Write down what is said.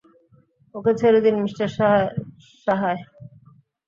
ওকে ছেড়ে দিন, মিস্টার সাহায়।